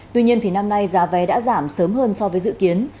tuy nhiên năm nay giá vé đã giảm sớm hơn so với dự kiến